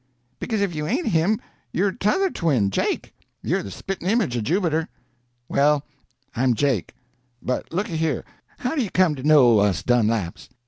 "Because if you ain't him you're t'other twin, Jake. You're the spit'n image of Jubiter." "Well, I'm Jake. But looky here, how do you come to know us Dunlaps?"